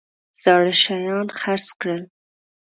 زاړه شیان خرڅ کړل.